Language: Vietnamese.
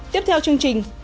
tiếp theo chương trình